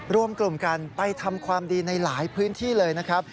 รวมกลุ่มกันไปทำความดีในหลายพื้นที่เลยนะครับ